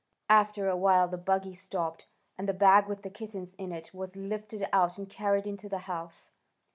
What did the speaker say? After a while the buggy stopped, and the bag with the kittens in it was lifted out and carried into the house.